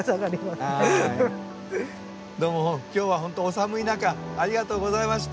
どうも今日はほんとお寒い中ありがとうございました。